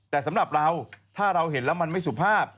แต่สำหรับเราถ้าเราเห็นแล้วมันไม่สุภาพ